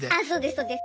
そうです。